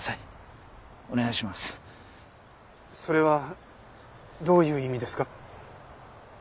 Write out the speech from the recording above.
それはどういう意味ですか？